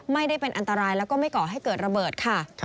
ไม่ได้เป็นอันตรายแล้วก็ไม่ก่อให้เกิดระเบิดค่ะ